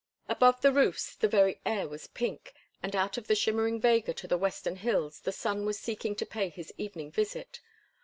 Above the roofs the very air was pink; and out on the shimmering vega to the western hills the sun was seeking to pay his evening visit.